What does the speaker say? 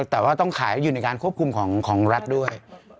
แต่ว่าต้องขายอยู่ในการควบคุมของรัฐด้วย